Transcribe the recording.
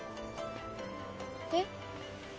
えっ？